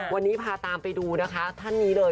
วันนี้พาตามไปดูนะคะท่านนี้เลย